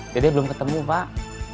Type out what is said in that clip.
dede belum ketemu pak